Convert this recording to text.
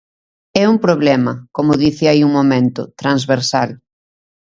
É un problema –como dicía hai un momento– transversal.